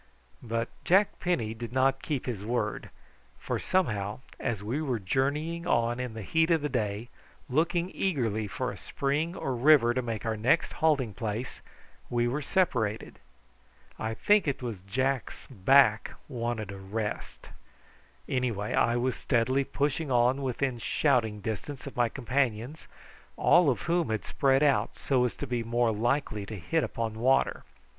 But Jack Penny did not keep his word, for somehow as we were journeying on in the heat of the day looking eagerly for a spring or river to make our next halting place we were separated. I think it was Jack's back wanted a rest. Anyhow I was steadily pushing on within shouting distance of my companions, all of whom had spread out so as to be more likely to hit upon water.